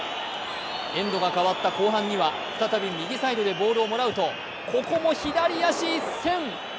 エンドが変わった後半には、再び右サイドでボールをもらうと、ここも左足一閃。